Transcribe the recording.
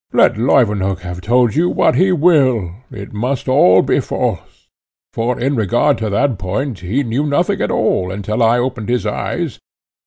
Let Leuwenhock have told you what he will, it must all be false; for, in regard to that point, he knew nothing at all, until I opened his eyes.